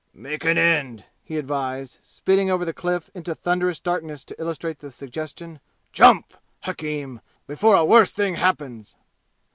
"Make an end!" he advised, spitting over the Cliff into thunderous darkness to illustrate the suggestion. "Jump, hakim, before a worse thing happens!"